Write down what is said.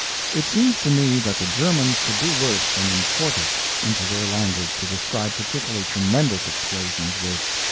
It seems to me that the Germans could do worse than import it into their language to describe particularly tremendous explosions with.